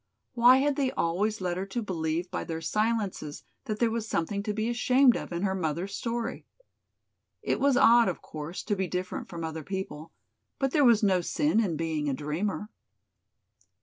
Why had they always led her to believe by their silences that there was something to be ashamed of in her mother's story? It was odd, of course, to be different from other people, but there was no sin in being a dreamer.